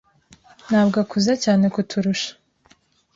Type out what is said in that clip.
ntabwo akuze cyane kuturusha.